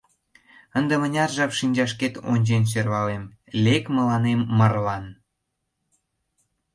Ынде мыняр жап шинчашкет ончен сӧрвалем — лек мыланем марлан!